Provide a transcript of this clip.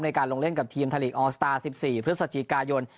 ในการลงเล่นกับทีมไทยลีกออสตาร์๑๔พฤศจิกายน